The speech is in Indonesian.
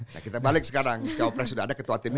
nah kita balik sekarang cowopress udah ada ketua tim ini